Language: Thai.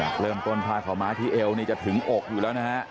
เริ่มต้นผ้าขาวม้าที่เอวนี่จะถึงอกอยู่แล้วนะฮะ